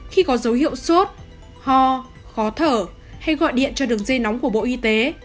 khi có dấu hiệu sốt ho khó thở hay gọi điện cho đường dây nóng của bộ y tế